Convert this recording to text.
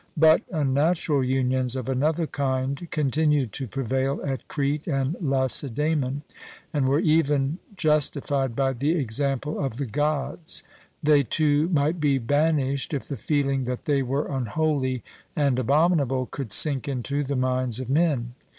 But unnatural unions of another kind continued to prevail at Crete and Lacedaemon, and were even justified by the example of the Gods. They, too, might be banished, if the feeling that they were unholy and abominable could sink into the minds of men.